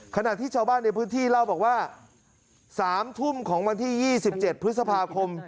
ขณะที่ชาวบ้านในพื้นที่เล่าบอกว่า๓ทุ่มของวันที่๒๗พฤษภาคม